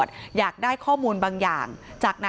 จนสนิทกับเขาหมดแล้วเนี่ยเหมือนเป็นส่วนหนึ่งของครอบครัวเขาไปแล้วอ่ะ